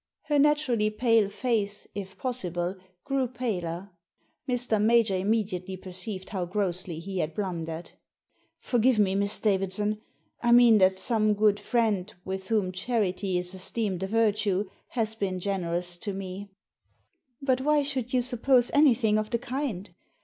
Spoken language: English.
Her naturally pale face, if possible, grew paler. Mr. Major immediately per ceived how grossly he had blundered " Forgive me, Miss Davidson. I mean that some good friend, with whom charity is esteemed a virtue, has been generous to me. "But why should you suppose anything of the kind